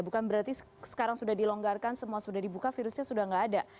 bukan berarti sekarang sudah dilonggarkan semua sudah dibuka virusnya sudah tidak ada